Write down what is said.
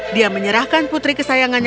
dia menyerahkan putri kesayangannya